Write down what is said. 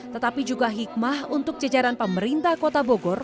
tetapi juga hikmah untuk jajaran pemerintah kota bogor